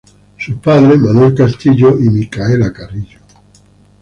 Sus padres Manuel Castillo y Micaela Carrillo.